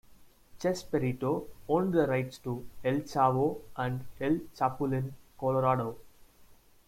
Chespirito owned the rights to "El Chavo" and "El Chapulín Colorado".